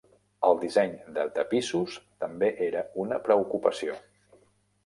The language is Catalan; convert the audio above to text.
El disseny de tapissos també era una preocupació.